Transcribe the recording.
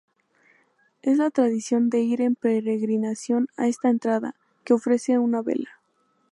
Es la tradición de ir en peregrinación a esta entrada, que ofrece una vela.